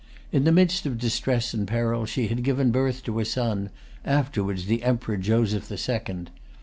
In the midst of distress and peril she had given birth to a son, afterwards the Emperor Joseph the Second.